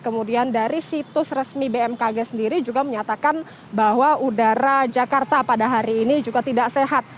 kemudian dari situs resmi bmkg sendiri juga menyatakan bahwa udara jakarta pada hari ini juga tidak sehat